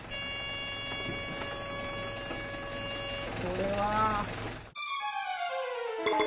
これは。